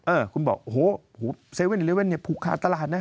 เออคุณบอกโอ้โห๗๑๑เนี่ยผูกขาดตลาดนะ